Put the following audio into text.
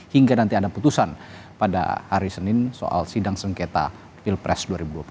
hingga nanti ada putusan pada hari senin soal sidang sengketa pilpres dua ribu dua puluh empat